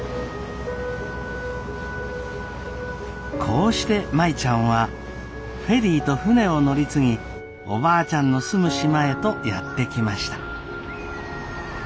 こうして舞ちゃんはフェリーと船を乗り継ぎおばあちゃんの住む島へとやって来ました。